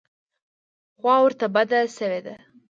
خوا ورته بده شوې ده.